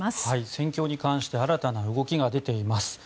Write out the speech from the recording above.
戦況に関して新たな動きが出ています。